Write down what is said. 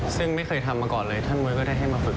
ซึ่งไม่เคยทำมาก่อนเลยท่านมวยก็ได้ให้มาฝึก